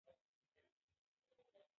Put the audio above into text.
درملنه د ماشوم روغتيا بهتره کوي.